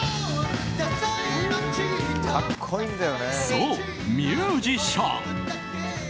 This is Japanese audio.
そう、ミュージシャン。